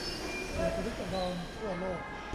ถูกริดรอนทั่วโลก